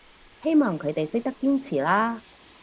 希望佢哋識得堅持啦